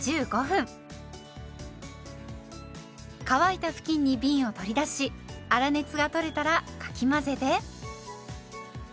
乾いた布巾にびんを取り出し粗熱がとれたらかき混ぜて。